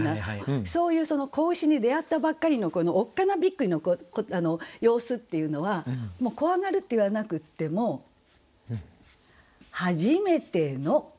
そういう仔牛に出会ったばっかりのおっかなびっくりの様子っていうのは「怖がる」って言わなくっても「はじめての」。